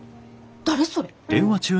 誰それ？